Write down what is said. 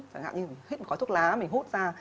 chẳng hạn như mình hít một khói thuốc lá mình hút ra